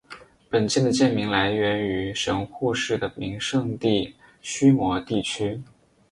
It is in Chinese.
本舰的舰名来源于神户市的名胜地须磨地区。